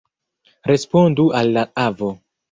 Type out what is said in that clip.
Respondu al la avo!